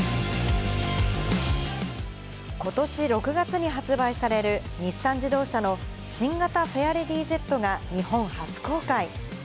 ことし６月に発売される日産自動車の新型フェアレディＺが日本初公開。